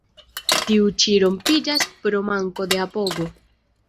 Tiu ĉi rompiĝas pro manko de apogo.